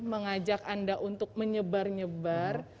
mengajak anda untuk menyebar nyebar